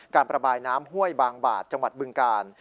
ประบายน้ำห้วยบางบาดจังหวัดบึงกาล